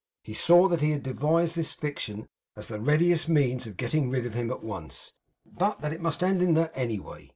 He saw that he had devised this fiction as the readiest means of getting rid of him at once, but that it must end in that any way.